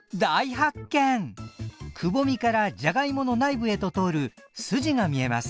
くぼみからじゃがいもの内部へと通る筋が見えます。